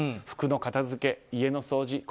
服の片づけ、家の掃除